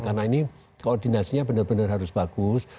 karena ini koordinasinya benar benar harus bagus